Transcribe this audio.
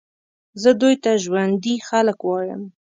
زه دوی ته ژوندي خلک وایم.